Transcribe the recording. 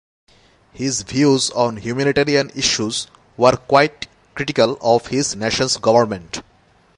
His views on humanitarian issues were quite critical of his nation's government.